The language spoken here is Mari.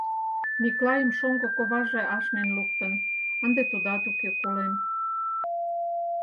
Миклайым шоҥго коваже ашнен луктын, ынде тудат уке, колен.